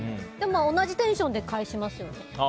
でも同じテンションで返します。